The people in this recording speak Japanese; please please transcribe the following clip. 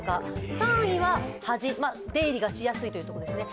３位は端、出入りがしやすいというところですね。